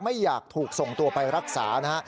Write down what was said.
ไม่อยากถูกส่งตัวไปรักษานะฮะ